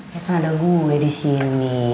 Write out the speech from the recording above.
kenapa ada gue di sini